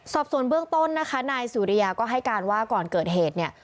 สอบส่วนเบื้องต้นนะคะนายสุริยาก็ให้การว่าก่อนเกิดเหตุเนี่ย